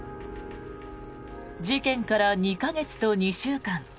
事件から２か月と２週間。